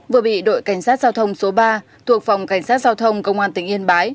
vừa bị đội cảnh sát giao thông số ba thuộc phòng cảnh sát giao thông công an tỉnh yên bái